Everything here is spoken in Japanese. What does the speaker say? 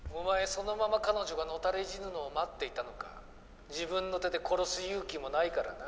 そのまま彼女がのたれ死ぬのを待っていたのか自分の手で殺す勇気もないからな